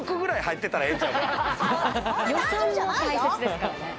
予算も大切ですからね。